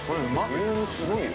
◆ボリュームすごいよ。